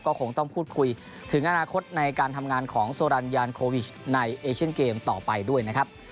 ก็คงต้องพูดคุยถึงอนาคตในการทำงานของโซรันยานโควิชในเอเชียนเกมต่อไปด้วยนะครับ